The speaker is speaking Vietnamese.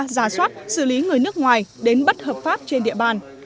giả soát xử lý người nước ngoài đến bất hợp pháp trên địa bàn